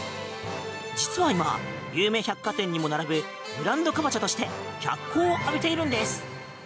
実は今、有名百貨店にも並ぶブランドカボチャとして脚光を浴びているんです。